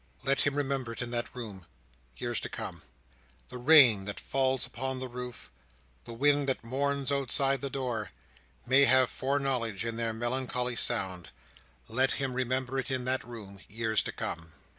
Let him remember it in that room, years to come. The rain that falls upon the roof: the wind that mourns outside the door: may have foreknowledge in their melancholy sound. Let him remember it in that room, years to come!